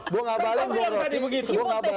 saya juga bilang tadi begitu